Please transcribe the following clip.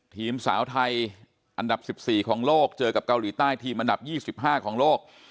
ทีมสาวไทยอันดับ๑๔ของโลกเจอกับเกาหลีใต้ทีมอันดับ๒๕ของโลก